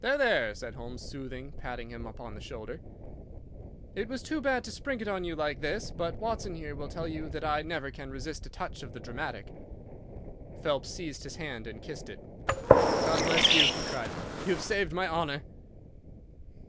"There! there!" said Holmes, soothing, patting him upon the shoulder. "It was too bad to spring it on you like this, but Watson here will tell you that I never can resist a touch of the dramatic." Phelps seized his hand and kissed it. "God bless you!" he cried. "You have saved my honour."